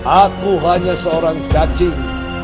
aku hanya seorang cacing